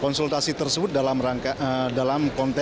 konsultasi tersebut dalam rangka konsultasi dengan presiden